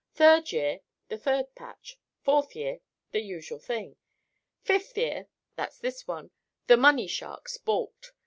Third year, the third patch; fourth year, the usual thing. Fifth year—that's this one—the money sharks balked.